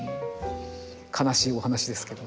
悲しいお話ですけど。